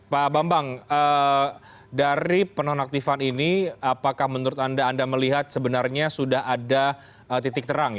pak bambang dari penonaktifan ini apakah menurut anda anda melihat sebenarnya sudah ada titik terang